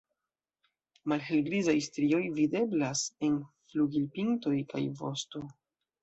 Malhelgrizaj strioj videblas en flugilpintoj kaj vosto.